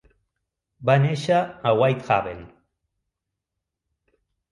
Va néixer a Whitehaven.